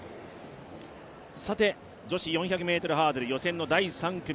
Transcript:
さて、女子４００ｍハードル予選の第３組。